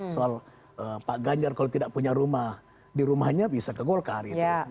soal pak ganjar kalau tidak punya rumah di rumahnya bisa ke golkar gitu